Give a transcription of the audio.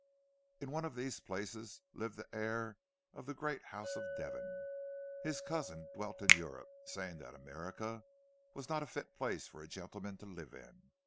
In one of these places lived the heir of the great house of Devon. His cousin dwelt in Europe, saying that America was not a fit place for a gentleman to live in.